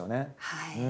はい。